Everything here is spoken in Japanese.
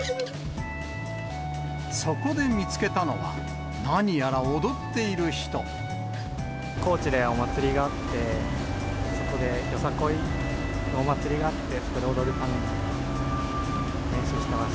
そこで見つけたのは、高知でお祭りがあって、そこでよさこいのお祭りがあって、それで踊るために、練習していま